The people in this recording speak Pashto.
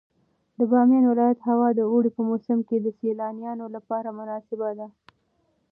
د بامیان ولایت هوا د اوړي په موسم کې د سیلانیانو لپاره مناسبه ده.